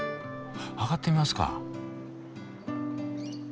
上がってみますか。